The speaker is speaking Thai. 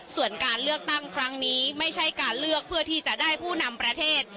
ส่วนการเลือกตั้งครั้งนี้ไม่ใช่การเลือกเพื่อที่จะได้ผู้นำประเทศ